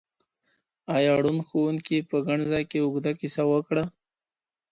ایا ړوند ښوونکي په ګڼ ځای کي اوږده کیسه وکړه؟